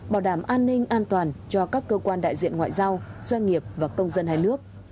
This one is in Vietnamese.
bảo đảm an ninh an toàn cho các cơ quan đại diện ngoại giao doanh nghiệp và công dân hai nước